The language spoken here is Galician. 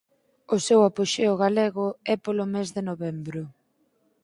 O seu apoxeo galego é polo mes de novembro.